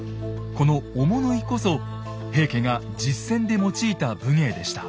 この追物射こそ平家が実戦で用いた武芸でした。